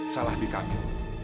salah di kami